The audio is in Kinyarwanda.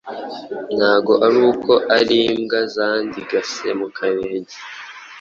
Ntago aruko ar'imbwa zandigase mukarenge